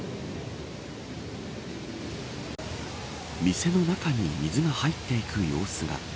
店の中に水が入っていく様子が。